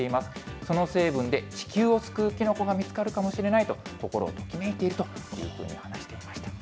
その成分で地球を救うキノコが見つかるかもしれないと、心ときめいているというふうに話していました。